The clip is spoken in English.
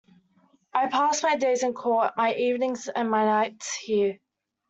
I pass my days in court, my evenings and my nights here.